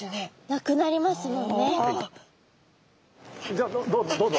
じゃあどうぞ。